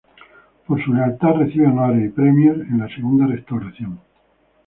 Por su lealtad recibe honores y premios en la Segunda Restauración.